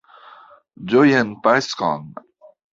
Ĝojan Paskon!